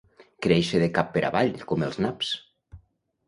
Créixer de cap per avall, com els naps.